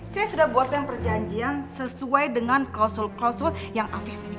saya sudah buatkan perjanjian sesuai dengan klausul klausul yang afif ini